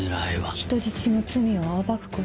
人質の罪を暴くこと。